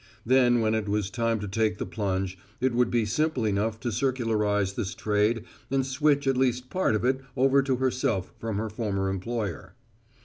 Then when it was time to take the plunge, it would be simple enough to circularize this trade and switch at least part of it over to herself from her former employer.